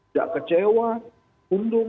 gak kecewa undung